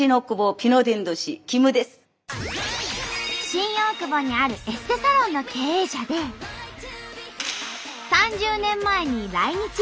新大久保にあるエステサロンの経営者で３０年前に来日。